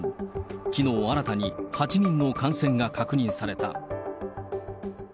きのう新たに８人の感染が確認された。